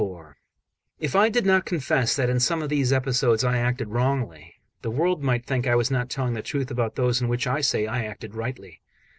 XXXIV IF I did not confess that in some of these episodes I acted wrongly, the world might think I was not telling the truth about those in which I say I acted rightly.